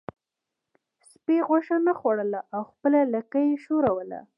سپي غوښه نه خوړله او خپله لکۍ یې ښوروله.